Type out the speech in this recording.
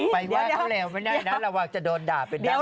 ไปว่าเขาเหลวไม่ได้นะระหว่างจะโดนด่าเป็นตาหน้า